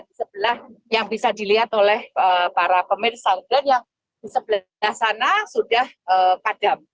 di sebelah yang bisa dilihat oleh para pemirsa yang di sebelah sana sudah padam